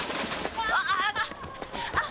あっ！！